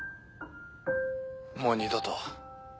もう二度と。